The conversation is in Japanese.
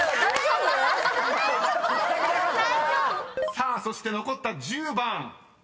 ［さあそして残った１０番分かる方］